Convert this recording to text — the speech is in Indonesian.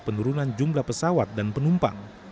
penurunan jumlah pesawat dan penumpang